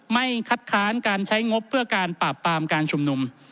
ไม่คัดค้านการใช้งบเพื่อการปราบปรามการชุมนุม